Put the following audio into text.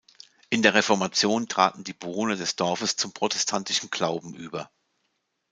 In der Reformation traten die Bewohner des Dorfes zum protestantischen Glauben über.